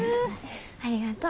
ありがとう。